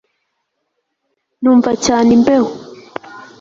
Numva cyane imbeho